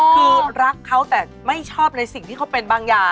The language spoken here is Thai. คือรักเขาแต่ไม่ชอบในสิ่งที่เขาเป็นบางอย่าง